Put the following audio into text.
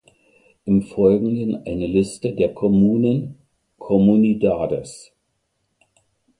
Im Folgenden eine Liste der Kommunen ("Comunidades").